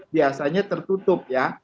biasanya tertutup ya